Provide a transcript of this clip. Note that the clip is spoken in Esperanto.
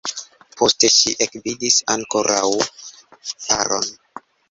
Poste ŝi ekvidis ankoraŭ paron.